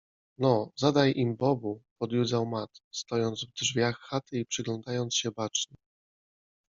-No, zadaj im bobu! - podjudzał Matt, stojąc w drzwiach chaty i przyglądając się bacznie.